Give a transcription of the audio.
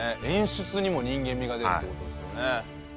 演出にも人間味が出るって事ですよね。